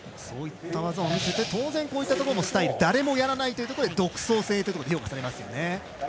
そういった技を見せて当然、こういうところもスタイル誰もやらないということで独創性が評価されますよね。